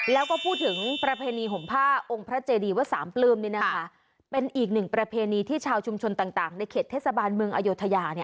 แล้วก็พูดถึงประเพณีห่มผ้าองค์พระเจดีวะสามปลื้มนี่นะคะเป็นอีกหนึ่งประเพณีที่ชาวชุมชนต่างในเขตเทศบาลเมืองอโยธยา